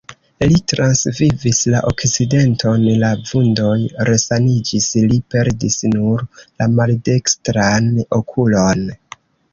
Li transvivis la akcidenton, la vundoj resaniĝis, li perdis nur la maldekstran okulon.